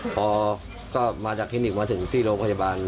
พอก็มาจากคลินิกมาถึงที่โรงพยาบาล